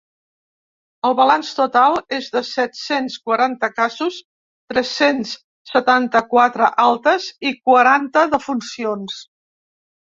El balanç total és de set-cents quaranta casos, tres-cents setanta-quatre altes i quaranta defuncions.